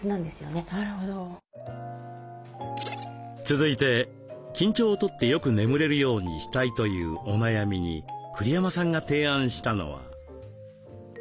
続いて緊張をとってよく眠れるようにしたいというお悩みに栗山さんが提案したのは。